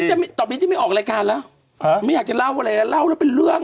แต่ต่อไปที่ไม่ออกรายการแล้วไม่อยากจะเล่าอะไรนะเล่าแล้วเป็นเรื่อง